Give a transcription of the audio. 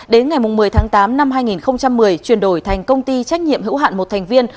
đến ngày một mươi tháng tám năm hai nghìn một mươi chuyển đổi thành công ty trách nhiệm hữu hạn một thành viên